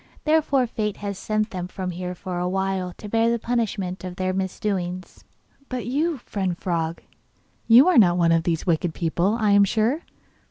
Therefore fate has sent them here for a while to bear the punishment of their misdoings.' 'But you, friend frog, you are not one of these wicked people, I am sure?